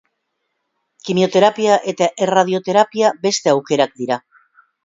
Kimioterapia eta erradioterapia beste aukerak dira.